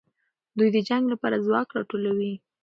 دوی د جنګ لپاره ځواک راټولوي.